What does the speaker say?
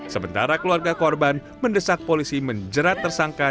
sementara keluarga korban mendesak polisi menjerat tersangka